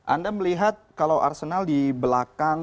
anda melihat kalau arsenal di belakang